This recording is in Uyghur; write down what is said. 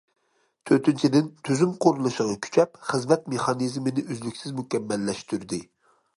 تۆتىنچىدىن، تۈزۈم قۇرۇلۇشىغا كۈچەپ، خىزمەت مېخانىزمىنى ئۈزلۈكسىز مۇكەممەللەشتۈردى.